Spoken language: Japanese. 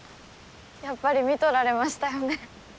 やっぱり見とられましたよね。